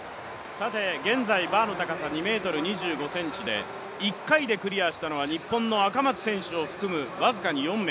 現在バーの高さは２ｍ２５ｃｍで、１回でクリアしたのは日本の赤松選手を含む僅かに４名。